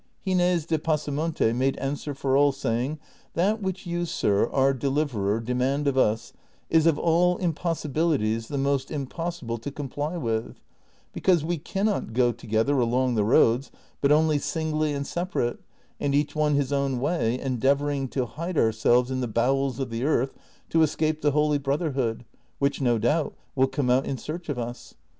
Gines de Pasamonte made answer for all, saying, '^ Thnt which you, sir, our deliverer, demand of us, is of all impos sibilities the most impossible to comply with, because we can not go together along the roads, but only singly and separate, and each one his own way, endeavoring to hide ourselves in the bowels of the earth to escape the Holy Brotherhood, which, no doubt, will come out in search of us.